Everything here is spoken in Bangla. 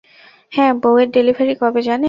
হ্যাঁ, বউয়ের ডেলিভারি কবে জানেন?